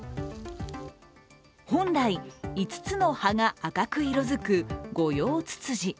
本来、５つの葉が赤く色づくゴヨウツツジ。